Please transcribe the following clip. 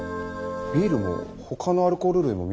ビールもほかのアルコール類も見当たりませんね。